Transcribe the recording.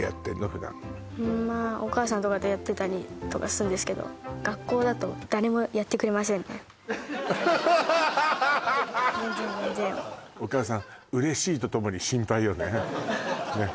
普段うんまあお母さんとかとやってたりとかするんですけど全然全然お母さん嬉しいとともに心配よねねえ